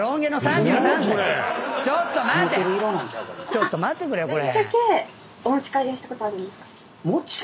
ちょっと待ってくれよこれ。